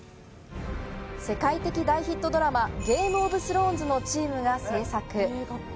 世界的大ヒットドラマ『ゲーム・オブ・スローンズ』のチームが制作。